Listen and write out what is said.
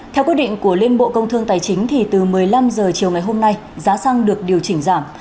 theo quyết định của liên bộ công thương tài chính từ một mươi năm h chiều ngày hôm nay giá xăng được điều chỉnh giảm